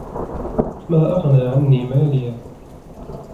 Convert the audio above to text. مَا أَغْنَى عَنِّي مَالِيَهْ